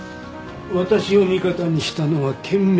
私を味方にしたのは賢明な判断です。